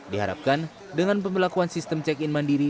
diharapkan dengan pembelakuan sistem check in mandiri